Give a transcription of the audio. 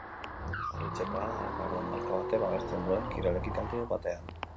Harritzekoa garagardo marka batek babesten duen kirol-ekitaldi batean.